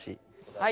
はい。